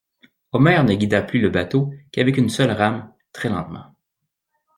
Omer ne guida plus le bateau qu'avec une seule rame, très lentement.